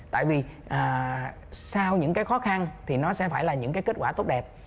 tại vì sau những cái khó khăn thì nó sẽ phải là những cái kết quả tốt đẹp